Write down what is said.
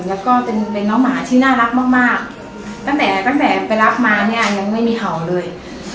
แล้วก็เป็นน้องหมาที่น่ารักมากมากตั้งแต่ตั้งแต่ไปรับมาเนี่ยยังไม่มีเห่าเลย